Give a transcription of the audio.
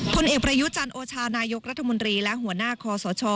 ผลเอกประยุจันทร์โอชานายกรัฐมนตรีและหัวหน้าคอสช